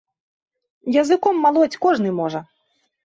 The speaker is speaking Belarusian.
Языком малоць кожны можа!